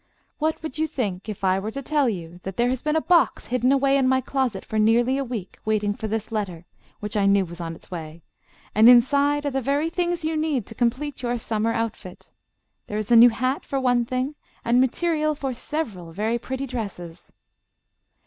"What would you think if I were to tell you that there has been a box hidden away in my closet for nearly a week, waiting for this letter, which I knew was on its way, and inside are the very things you need to complete your summer outfit? There is a new hat, for one thing, and material for several very pretty dresses."